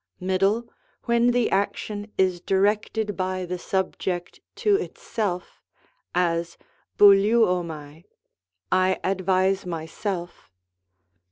'' Middle, when the action is directed by the subject to itself, as, fiovXtv ofiat^ " I advise myself."